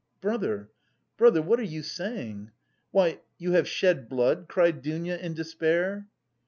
"Brother, brother, what are you saying? Why, you have shed blood?" cried Dounia in despair.